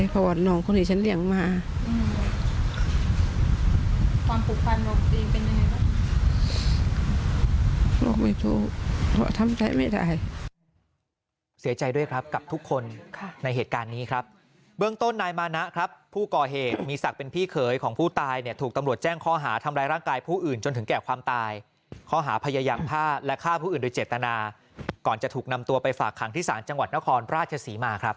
เพราะว่าทำใช้ไม่ได้